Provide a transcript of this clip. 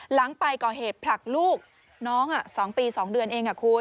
หลังไปก่อเหตุผลักลูกน้อง๒ปี๒เดือนเองคุณ